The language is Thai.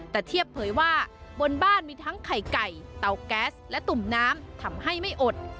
เทียบเผยว่าบนบ้านมีทั้งไข่ไก่เตาแก๊สและตุ่มน้ำทำให้ไม่อด